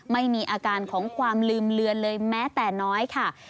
ไม่มีอาการของความลืมเลือนเลยแม้แต่น้อยค่ะ